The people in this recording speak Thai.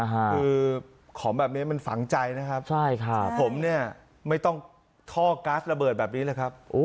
คือของแบบนี้มันฝังใจนะครับผมเนี่ยไม่ต้องท่อก๊าซระเบิดแบบนี้เลยครับ